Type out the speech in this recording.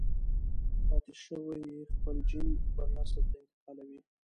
پاتې شوی يې خپل جېن بل نسل ته انتقالوي.